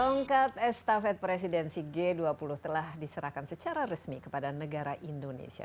tongkat estafet presidensi g dua puluh telah diserahkan secara resmi kepada negara indonesia